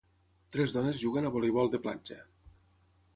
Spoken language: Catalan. Tres dones juguen a voleibol de platja.